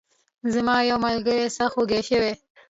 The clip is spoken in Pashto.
زما یو ملګری سخت وږی شوی.